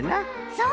そう！